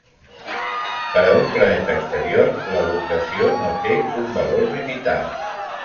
Per a un planeta exterior, l'elongació no té un valor limitat.